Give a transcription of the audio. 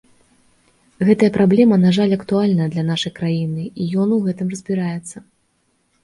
Гэтая праблема, на жаль, актуальная для нашай краіны, і ён у гэтым разбіраецца.